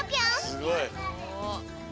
すごい！お。